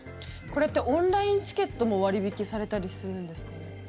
これってオンラインチケットも割引されたりするんですか。